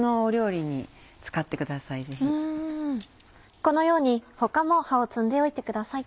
このように他も葉を摘んでおいてください。